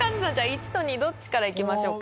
１と２どっちからいきましょうか。